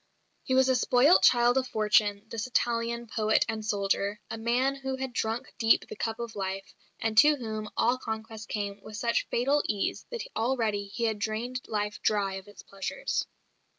He was a spoilt child of fortune, this Italian poet and soldier, a man who had drunk deep of the cup of life, and to whom all conquests came with such fatal ease that already he had drained life dry of its pleasures.